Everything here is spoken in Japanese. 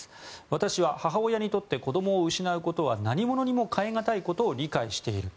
私は母親にとって子供を失うことは何物にも代えがたいことを理解している。